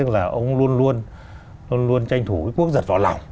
là ông luôn luôn tranh thủ cái quốc giật vào lòng